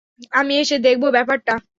আমি এসে দেখব ব্যাপারটা।